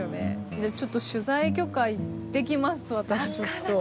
じゃあちょっと取材許可いってきます私。